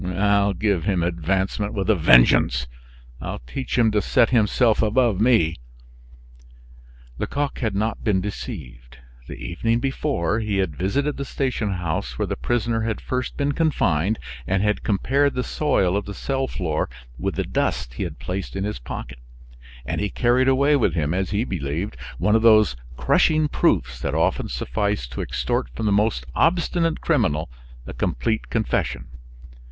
I'll give him advancement with a vengeance! I'll teach him to set himself above me!" Lecoq had not been deceived. The evening before, he had visited the station house where the prisoner had first been confined, and had compared the soil of the cell floor with the dust he had placed in his pocket; and he carried away with him, as he believed, one of those crushing proofs that often suffice to extort from the most obstinate criminal a complete confession.